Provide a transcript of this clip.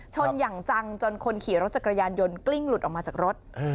ชนอย่างจังจนคนขี่รถจักรยานยนต์กลิ้งหลุดออกมาจากรถ